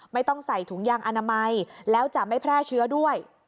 ไม่ต้องใส่ถุงยางอนามัยแล้วจะไม่แพร่เชื้อด้วย